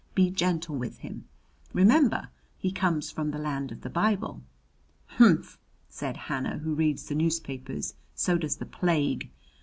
Be gentle with him. Remember he comes from the land of the Bible." "Humph!" said Hannah, who reads the newspapers. "So does the plague!"